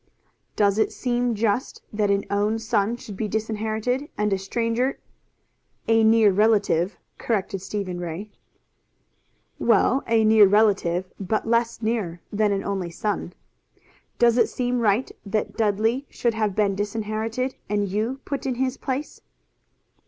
"Does it seem just that an own son should be disinherited and a stranger " "A near relative," corrected Stephen Ray. "Well, a near relative, but less near than an only son. Does it seem right that Dudley should have been disinherited and you put in his place?"